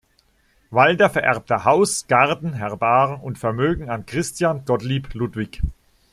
Walther vererbte Haus, Garten, Herbar und Vermögen an Christian Gottlieb Ludwig.